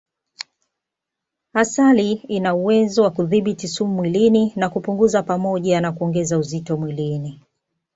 Asali ina uwezo wa kudhibiti sumu mwilini na kupunguza pamoja na kuongeza uzito mwilini